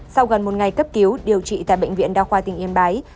sau gần một ngày cấp cứu điều trị tại bệnh viện đao khoa tỉnh yên báy